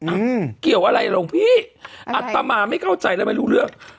อืมเกี่ยวอะไรหลวงพี่อัตมาไม่เข้าใจแล้วไม่รู้เรื่อง